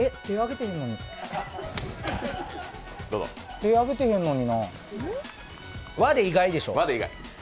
手挙げてへんのにな、和で意外でしょ？